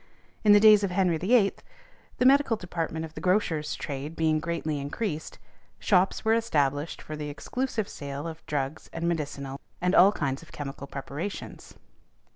In the days of Henry VIII., the medical department of the grocers' trade being greatly increased, shops were established for the exclusive sale of drugs and medicinal and all kinds of chemical preparations.